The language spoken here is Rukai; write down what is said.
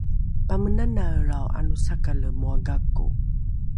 pamenanaelrao ’anosakale moa gako